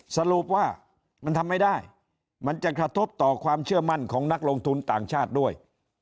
สรุปว่ามันทำไม่ได้มันจะกระทบต่อความเชื่อมั่นของนักลงทุนต่างชาติด้วย